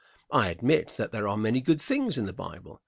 I admit that there are many good things in the Bible.